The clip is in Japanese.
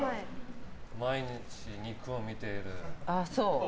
毎日、肉を見ている。